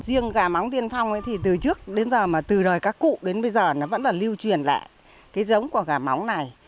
riêng gà móng tiên phong thì từ trước đến giờ mà từ đời các cụ đến bây giờ nó vẫn là lưu truyền lại cái giống của gà móng này